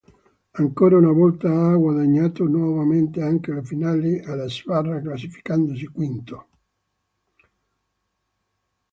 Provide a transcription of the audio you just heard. Ancora una volta ha guadagnato nuovamente anche la finale alla sbarra, classificandosi quinto.